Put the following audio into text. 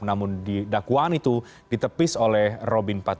namun di dakwaan itu ditepis oleh robin empat puluh